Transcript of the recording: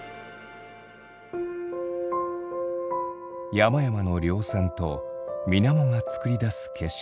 山々の稜線と水面がつくり出す景色。